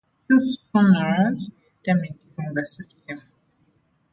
Two schooners were damaged during the system.